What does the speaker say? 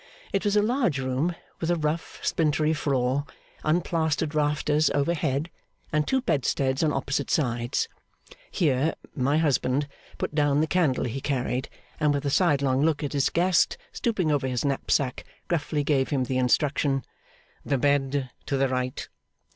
It was a large room, with a rough splintery floor, unplastered rafters overhead, and two bedsteads on opposite sides. Here 'my husband' put down the candle he carried, and with a sidelong look at his guest stooping over his knapsack, gruffly gave him the instruction, 'The bed to the right!